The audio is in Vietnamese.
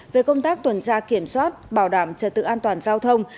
về công tác tuần tra kiểm soát bảo đảm trật tự an toàn giao thông